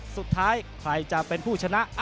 สุดท้ายใครจะเป็นผู้ชนะ